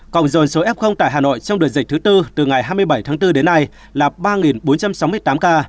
cộng dồn số f tại hà nội trong đợt dịch thứ tư từ ngày hai mươi bảy tháng bốn đến nay là ba bốn trăm sáu mươi tám ca